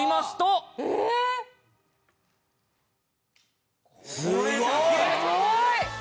すごい！